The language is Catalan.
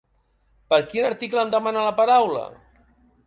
Per quin article em demana la paraula?